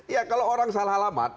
ya kalau orang salah alamat